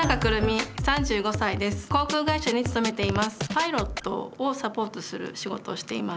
パイロットをサポートする仕事をしています。